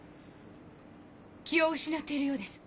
気を失っているようです。